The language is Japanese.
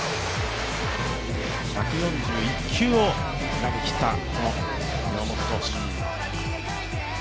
１４１球を投げきった山本投手。